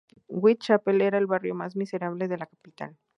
Whitechapel era el barrio más miserable de la capital.